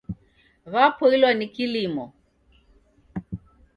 W'apoilwa ni kilimo